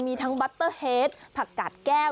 มีทั้งบัตเตอร์เฮดผักกาดแก้ว